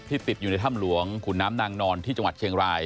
ติดอยู่ในถ้ำหลวงขุนน้ำนางนอนที่จังหวัดเชียงราย